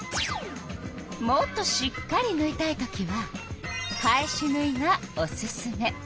もっとしっかりぬいたいときは返しぬいがおすすめ。